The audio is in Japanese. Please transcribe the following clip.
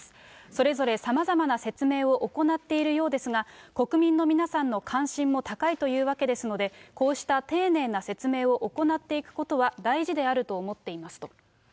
それぞれさまざまな説明を行っているようですが、国民の皆さんの関心も高いというわけですので、こうした丁寧な説明を行っていくことは大事であると思っていますと。